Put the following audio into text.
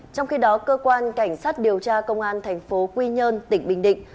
trong khi đó cơ quan cảnh sát điều tra công an tp quy nhơn tỉnh bình định